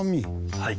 はい。